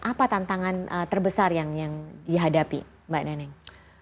apa tantangan terbesar yang dihadapi mbak neneng